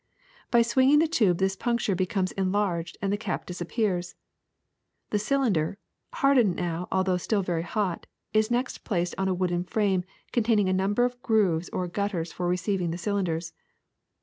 By swinging the tube this puncture becomes enlarged and the cap dis appears. The cylinder, hardened now although still very hot, is next placed on a wooden frame contain ing a number of grooves or gTitters for receiving the cylinders.